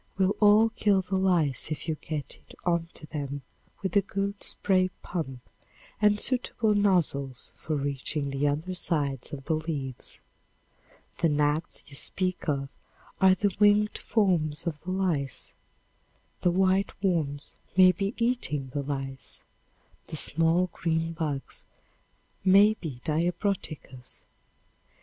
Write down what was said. will all kill the lice if you get it onto them with a good spray pump and suitable nozzles for reaching the under sides of the leaves. The gnats you speak of are the winged forms of the lice; the white worms may be eating the lice; the "small green bugs" may be diabroticas.